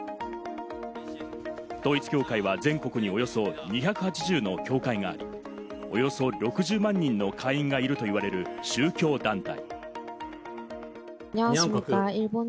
統一教会は全国におよそ２８０の教会があり、およそ６０万人の会員がいると言われる宗教団体。